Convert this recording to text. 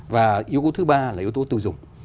và yếu tố thứ ba là yếu tố tiêu dùng